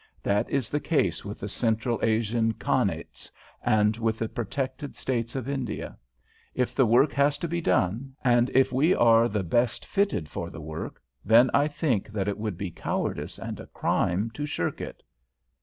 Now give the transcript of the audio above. That is the case with the Central Asian Khanates and with the protected States of India. If the work has to be done, and if we are the best fitted for the work, then I think that it would be a cowardice and a crime to shirk it."